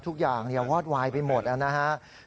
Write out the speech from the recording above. ทุกอย่างวอดวายไปหมดนะครับ